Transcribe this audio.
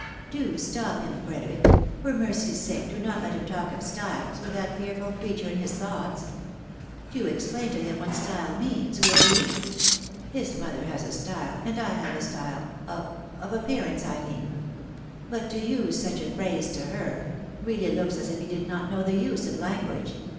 " Do stop him, Frederic ! For mercy's sake do not let him talk of styles, with that fearful creature in his thoughts ! Do explain to him what style means, wiU you ? His mother has a style, and I have a style — of — of appearance, I mean. But to use such a phrase to her, really looks as if he did not know the use of language.